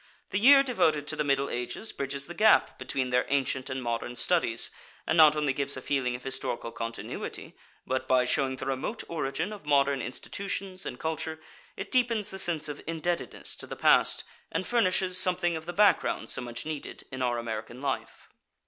The year devoted to the Middle Ages bridges the gap between their ancient and modern studies, and not only gives a feeling of historical continuity, but by showing the remote origin of modern institutions and culture it deepens the sense of indebtedness to the past and furnishes something of the background so much needed in our American life.